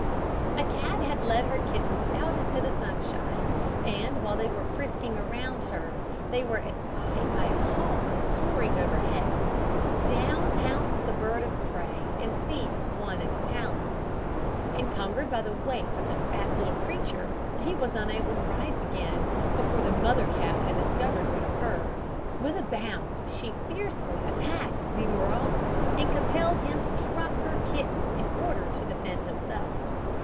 A cat had led her kittens out into the sunshine, and while they were frisking around her they were espied by a hawk soaring overhead. Down pounced the bird of prey and seized one in his talons. Encumbered by the weight of the fat little creature, he was unable to rise again before the mother cat had discovered what had occurred. With a bound she fiercely attacked the marauder, and compelled him to drop her kitten in order to defend himself.